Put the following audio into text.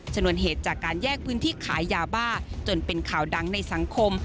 ชนวนเหตุจากการแยกพื้นที่ขายยาบ้าจนเป็นข่าวดังในสังคม